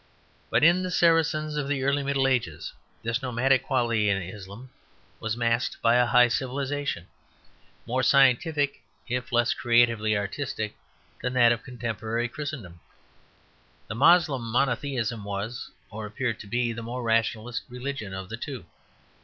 But in the Saracens of the early Middle Ages this nomadic quality in Islam was masked by a high civilization, more scientific if less creatively artistic than that of contemporary Christendom. The Moslem monotheism was, or appeared to be, the more rationalist religion of the two.